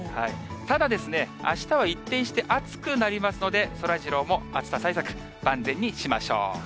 ただですね、あしたは一転して暑くなりますので、そらジローも暑さ対策、万全にしましょう。